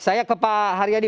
saya ke pak haryadi